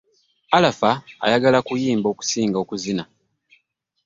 Alafa ayagala okuyimba okusinga okuzina.